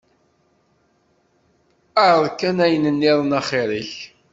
Ԑreḍ kan ayen nniḍen axir-ik.